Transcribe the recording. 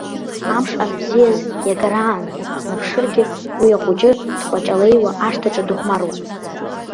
Амш анбзиаз, иагарааны снаԥшыргьы, уи ахәыҷы дкәаҷалеиуа ашҭаҿы дыхәмаруан.